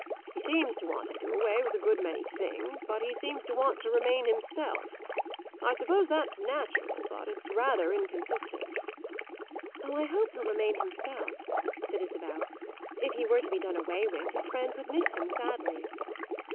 He seems to want to do away with a good many things, but he seems to want to remain himself. I suppose that's natural, but it's rather inconsistent." "Oh, I hope he'll remain himself," said Isabel. "If he were to be done away with his friends would miss him sadly."